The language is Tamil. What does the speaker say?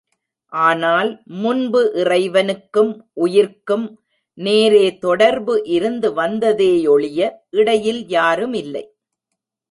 ஆனால் முன்பு இறைவனுக்கும் உயிர்க்கும் நேரே தொடர்பு இருந்து வந்ததேயொழிய இடையில் யாருமில்லை.